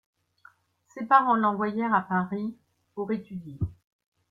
Ses parents l'envoyèrent à Paris, pour étudier.